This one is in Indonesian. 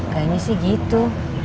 kayaknya sih gitu